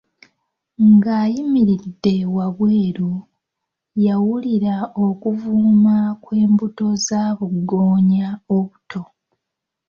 Ng'ayimiridde wabweru, yawulira okuvuuma kw' embuto za bugoonya obuto.